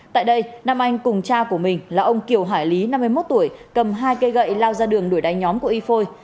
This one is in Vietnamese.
tại đây nam anh cùng cha của mình là ông kiều hải lý năm mươi một tuổi cầm hai cây gậy lao ra đường đuổi đánh nhóm của y phôi